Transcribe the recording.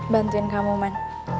bantuin kamu man